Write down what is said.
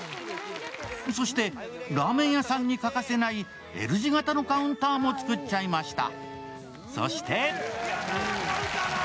そして、ラーメン屋さんに欠かせないＬ字型のカウンターも造っちゃいました。